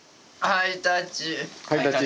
ハイタッチ。